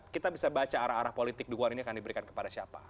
kita bisa baca arah arah politik dukungan ini akan diberikan kepada siapa